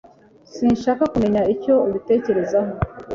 Sinshaka kumenya icyo ubitekerezaho.